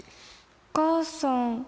お母さん